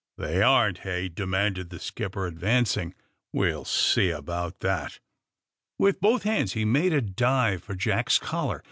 '^They aren% heyT" demanded tlie skipper, advancing. We'll see about tbat!" With both hands he made a dive for Jack's collar.